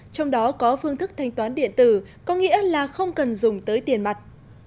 trong đó có phương thức thanh toán điện tử có nghĩa là không cần dùng tới tiền mặt